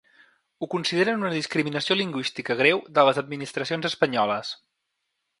Ho consideren una ‘discriminació lingüística greu de les administracions espanyoles’.